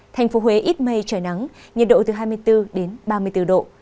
thành phố huế ít mây trời nắng nhiệt độ từ hai mươi bốn đến ba mươi bốn độ